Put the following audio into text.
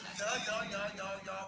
itu aja marah